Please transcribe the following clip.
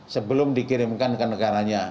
sebelum dikirimkan ke negaranya